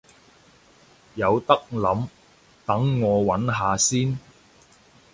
有得諗，等我搵下先